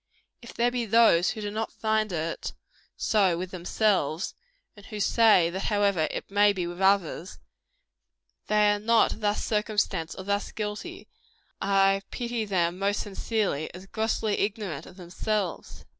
If there be those who do not find it so with themselves, and who say that however it may be with others, they are not thus circumstanced or thus guilty, I pity them most sincerely, as grossly ignorant of themselves.